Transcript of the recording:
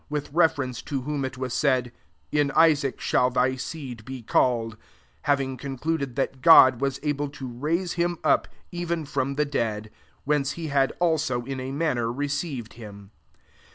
* 18 with reference to whom it was said, ^^n Istfac shall thy seed be called :" 19 having concluded that God was able to raise him up even from the dead ; whence he had also in a manner received him.